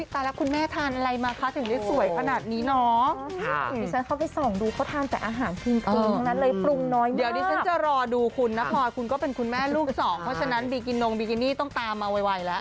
เพราะฉะนั้นบริกินงบริกินี่ต้องตามมาไวแล้ว